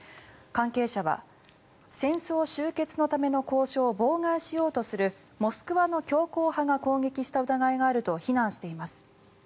関係者は、戦争終結のための交渉を妨害しようとするモスクワの強硬派が攻撃した疑いがあると非難しています。